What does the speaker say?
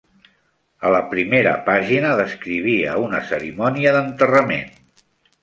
A la primera pàgina descrivia una cerimònia d'enterrament.